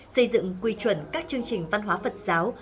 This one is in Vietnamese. xây dựng quy chuẩn các chương trình văn hóa phật giáo